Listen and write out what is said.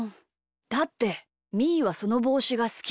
だってみーはそのぼうしがすき。